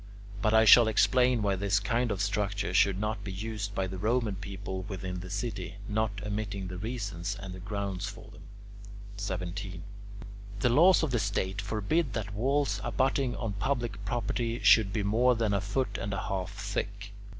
But I shall explain why this kind of structure should not be used by the Roman people within the city, not omitting the reasons and the grounds for them. 17. The laws of the state forbid that walls abutting on public property should be more than a foot and a half thick.